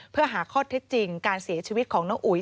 เพื่อหาข้อเท็จจริงการเสียชีวิตของน้องอุ๋ย